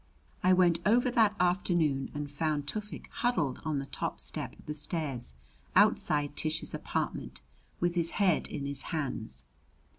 I went over that afternoon and found Tufik huddled on the top step of the stairs outside Tish's apartment, with his head in his hands.